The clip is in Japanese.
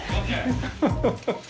ハハハハハ。